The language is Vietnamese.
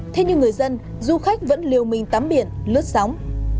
thế nhưng người dân du khách vẫn liều mình tắm biển lướt sóng